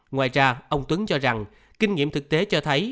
ngoài ra ông tuấn cho rằng kinh nghiệm thực tế cho thấy